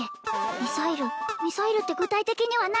ミサイルミサイルって具体的には何？